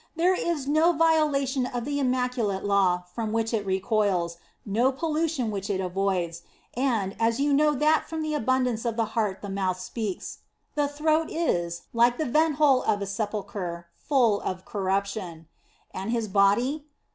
There is no violation of the immaculate law from which it recoils, no pollution which it avoids; and, as you know that from the abundance of the heart the mouth speaks, the In the Nineteenth Century. 71 throat is, like the vent hole of a sepulchre, full of corruption.* And his body?